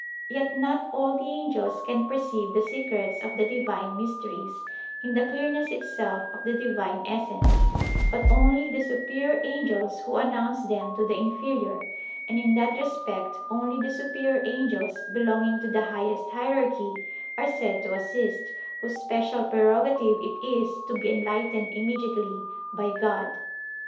Yet not all the angels can perceive the secrets of the Divine mysteries in the clearness itself of the Divine Essence; but only the superior angels who announce them to the inferior: and in that respect only the superior angels belonging to the highest hierarchy are said to assist, whose special prerogative it is to be enlightened immediately by God.